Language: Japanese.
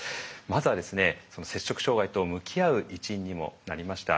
まずはその摂食障害と向き合う一因にもなりました